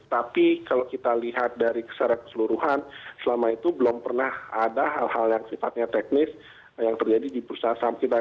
tapi kalau kita lihat dari secara keseluruhan selama itu belum pernah ada hal hal yang sifatnya teknis yang terjadi di bursa saham kita